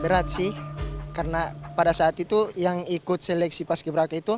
berat sih karena pada saat itu yang ikut seleksi paski beraka itu